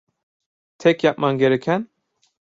Tek yapman gereken…